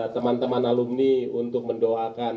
teman teman alumni untuk mendoakan